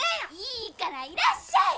いいからいらっしゃい。